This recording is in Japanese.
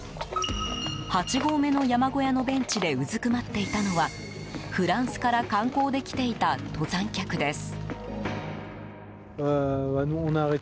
８合目の山小屋のベンチでうずくまっていたのはフランスから観光で来ていた登山客です。